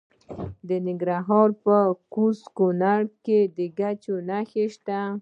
د ننګرهار په کوز کونړ کې د ګچ نښې شته.